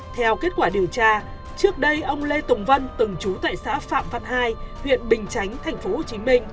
theo kết quả điều tra trước đây ông lê tùng vân từng chú tại xã phạm văn hai huyện bình chánh tp hcm